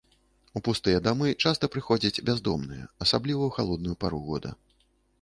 У пустыя дамы часта прыходзяць бяздомныя, асабліва ў халодную пару года.